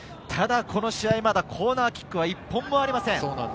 ただこの試合、まだコーナーキックは１本もありません。